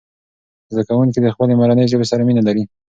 زده کوونکي د خپلې مورنۍ ژبې سره مینه لري.